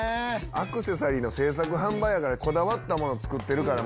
アクセサリーの製作販売やからこだわったもの作ってるから。